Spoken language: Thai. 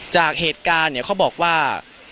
จากเหตุการณ์เนี่ยเขาบอกว่า